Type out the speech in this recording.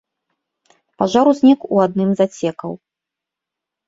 Пажар узнік у адным з адсекаў.